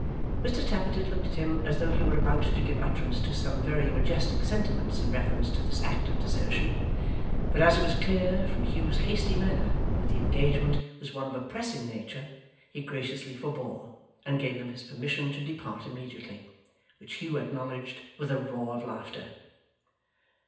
Mr Tappertit looked at him as though he were about to give utterance to some very majestic sentiments in reference to this act of desertion, but as it was clear, from Hugh's hasty manner, that the engagement was one of a pressing nature, he graciously forbore, and gave him his permission to depart immediately, which Hugh acknowledged with a roar of laughter.